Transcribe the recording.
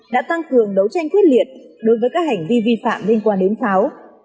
đã tăng cường đấu tranh quyết liệt đối với các hành vi vi phạm liên quan đến pháo